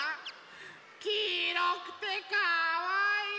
きいろくてかわいい！